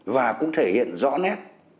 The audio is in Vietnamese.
và cũng thể hiện rõ nét